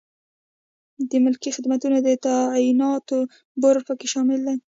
د ملکي خدمتونو د تعیناتو بورد پکې شامل دی.